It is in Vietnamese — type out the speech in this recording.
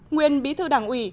nguyên bí thư đảng ủy